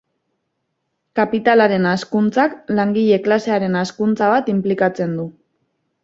Kapitalaren hazkuntzak, langile klasearen hazkuntza bat inplikatzen du.